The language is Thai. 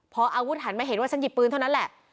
พออาวุธหันมาเห็นว่าฉันหยิบปืนเท่านั้นแหละ